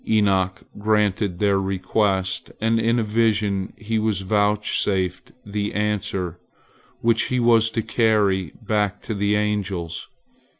Enoch granted their request, and in a vision he was vouchsafed the answer which he was to carry back to the angels.